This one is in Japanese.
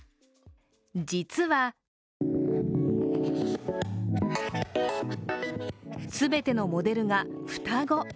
実は全てのモデルが双子。